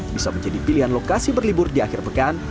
bisa menjadi pilihan lokasi berlibur di akhir pekan